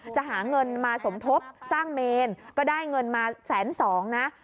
จะหาเงินมาสมทบสร้างเมนก็ได้เงินมาแสนสองนะ